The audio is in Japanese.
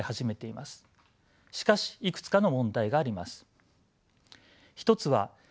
しかしいくつかの問題があります。